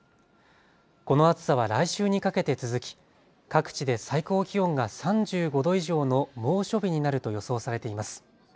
この暑さは来週にかけて続き各地で最高気温が３５度以上の猛暑日になると予想されています。